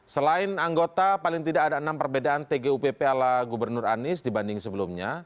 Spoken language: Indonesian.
selain anggota paling tidak ada enam perbedaan tgupp ala gubernur anies dibanding sebelumnya